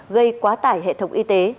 gây quá tải hệ thống y tế